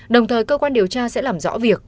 đồng thời cơ quan điều tra sẽ làm rõ việc